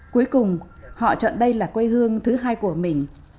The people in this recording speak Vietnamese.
cuối cùng họ chọn đây là quê hương thứ hai của mình